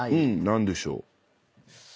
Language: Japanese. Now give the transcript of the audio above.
何でしょう？